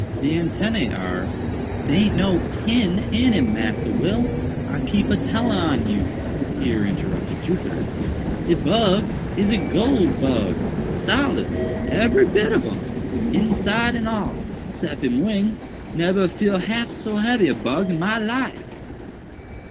The antennæ are—" "Dey aint no tin in him, Massa Will, I keep a tellin on you," here interrupted Jupiter; "de bug is a goole bug, solid, ebery bit of him, inside and all, sep him wing—neber feel half so hebby a bug in my life."